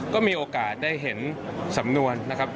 ก็มีโอกาสได้เห็นสำนวนนะครับ